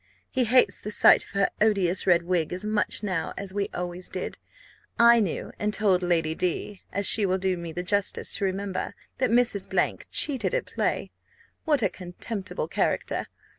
He hates the sight of her odious red wig as much now as we always did. I knew, and told Lady D , as she will do me the justice to remember, that Mrs. cheated at play. What a contemptible character!